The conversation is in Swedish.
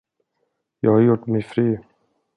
Jag har gjort mig fri.